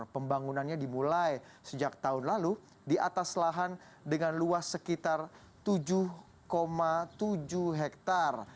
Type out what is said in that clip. pembangunannya dimulai sejak tahun lalu di atas lahan dengan luas sekitar tujuh tujuh hektare